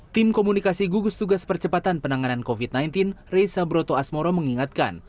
tim komunikasi gugus tugas percepatan penanganan covid sembilan belas reza broto asmoro mengingatkan